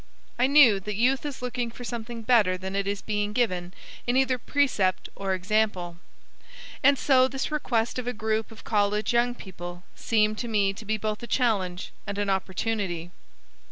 I knew that Youth is looking for something better than it is being given in either precept or example. And so this request of a group of college young people seemed to me to be both a challenge and an opportunity.